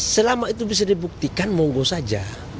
selama itu bisa dibuktikan monggo saja